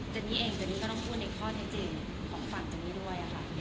นี่เองเจนนี่ก็ต้องพูดในข้อเท็จจริงของฝั่งเจนนี่ด้วยค่ะ